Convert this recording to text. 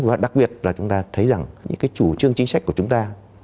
và đặc biệt là chúng ta thấy rằng những cái chủ trương chính sách của chúng ta